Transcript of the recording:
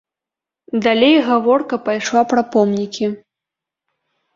Далей гаворка пайшла пра помнікі.